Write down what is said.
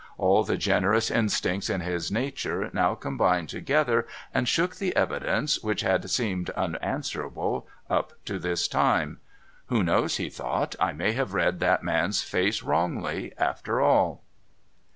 All the generous instincts in his nature now combined together and shook the evidence which had seemed unanswerable up to this time. ' Who knows ?' he thought. ' I may have read that man's face wrongly, after all.'